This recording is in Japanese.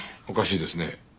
おかしいですね。